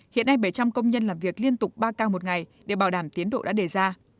hiện nay bảy trăm linh công nhân làm việc liên tục ba ca một ngày để bảo đảm tiến độ đã đề ra